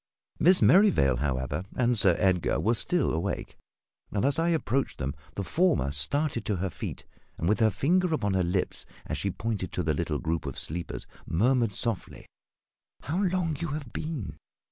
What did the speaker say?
Miss Merrivale, however, and Sir Edgar were still awake, and as I approached them the former started to her feet and, with her finger upon her lips as she pointed to the little group of sleepers, murmured softly "How long you have been!